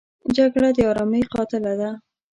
جګړه د آرامۍ قاتله ده